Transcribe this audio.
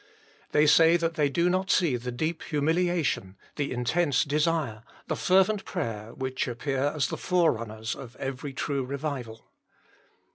They say that they do not see the deep humiliation, the intense desire, the fervent prayer which appear as the forerunners of every true revival.